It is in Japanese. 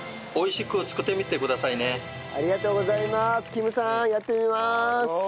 キムさんやってみます！